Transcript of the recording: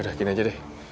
udah gini aja deh